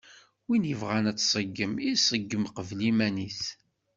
Win yebɣan ad tṣeggem, iṣeggem qbel iman-is.